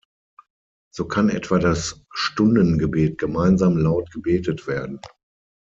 So kann etwa das Stundengebet gemeinsam laut gebetet werden.